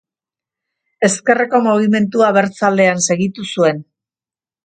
Ezkerreko Mugimendu Abertzalean segitu zuen.